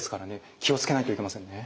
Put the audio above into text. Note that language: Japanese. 気を付けないといけませんね。